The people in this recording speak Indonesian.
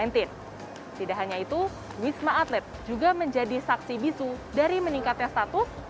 tidak hanya itu wisma atlet juga menjadi saksi bisu dari meningkatnya status